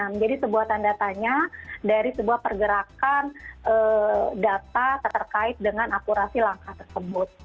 menjadi sebuah tanda tanya dari sebuah pergerakan data terkait dengan akurasi langkah tersebut